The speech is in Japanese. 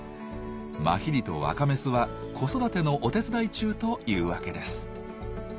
マヒリと若メスは子育てのお手伝い中というわけです。